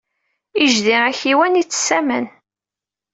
Ijdi akiwan yettess aman.